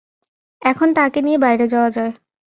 এখন তাকে নিয়ে বাইরে যাওয়া যায়।